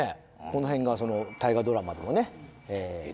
この辺がその「大河ドラマ」でもね。